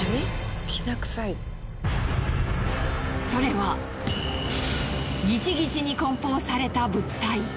それはギチギチに梱包された物体。